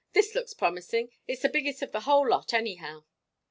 This looks promising it's the biggest of the whole lot, anyhow."